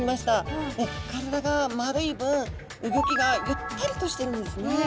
体が丸い分動きがゆったりとしてるんですね。